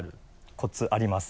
コツあります。